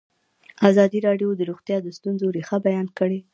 ازادي راډیو د روغتیا د ستونزو رېښه بیان کړې.